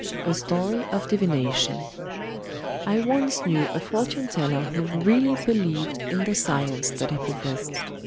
A Story of Divination I once knew a fortune teller who really believed in the science that he professed.